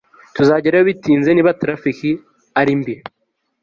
tuzagerayo bitinze niba traffic ari mbi